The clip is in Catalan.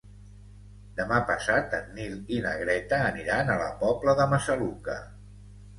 Demà passat en Nil i na Greta aniran a la Pobla de Massaluca.